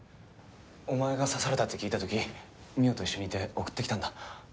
お前が刺されたって聞いた時望緒と一緒にいて送ってきたんだ。